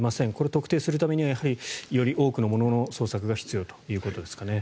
特定するためにはやはりより多くのものの捜索が必要ということですかね。